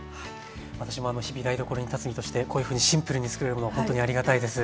私も日々台所に立つ身としてこういうふうにシンプルにつくれるものはほんとにありがたいです。